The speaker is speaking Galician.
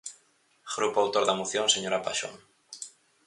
Grupo autor da moción señora Paxón.